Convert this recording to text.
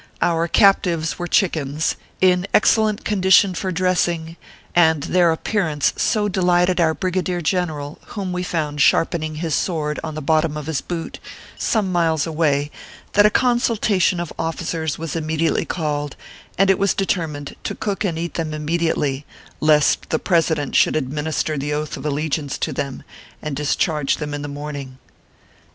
Our captives were chickens, in excellent condition for dressing, and their appearance so delighted our brigadier general whom we found sharpening his sword on the bottom of his boot, some miles away that a consultation of officers was immediately called, and it was determined to cook and eat them immediately, lest the President should administer the oath of allegiance to them, and discharge them in the morning.